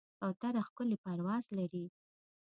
کوتره ښکلی پرواز لري.